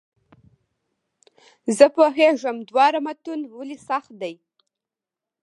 زه پوهېږم دواړه متون ولې سخت دي.